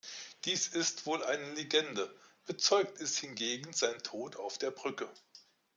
Dies ist wohl eine Legende, bezeugt ist hingegen sein Tod auf der Brücke.